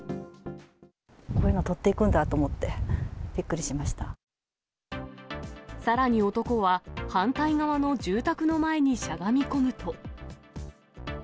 こういうの取っていくんだとさらに男は、反対側の住宅の前にしゃがみ込むと。